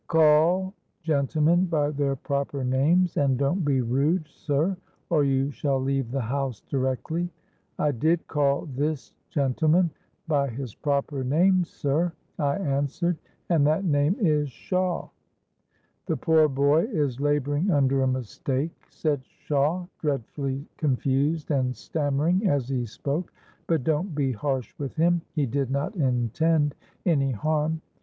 'Call gentlemen by their proper names, and don't be rude, sir, or you shall leave the house directly.'—'I did call this gentleman by his proper name, sir,' I answered: 'and that name is Shawe.'—'The poor boy is labouring under a mistake,' said Shawe, dreadfully confused and stammering as he spoke; 'but don't be harsh with him: he did not intend any harm.'